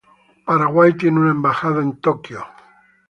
Paraguay tiene una embajada en Tokio.